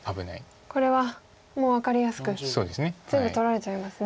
これはもう分かりやすく全部取られちゃいますね。